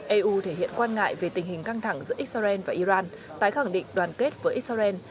eu thể hiện quan ngại về tình hình căng thẳng giữa israel và iran tái khẳng định đoàn kết với israel